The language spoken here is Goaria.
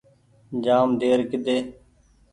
جآم دير ڪۮي